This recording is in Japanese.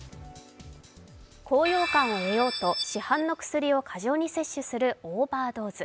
高揚感を得ようと市販の薬を過剰に摂取するオーバードーズ。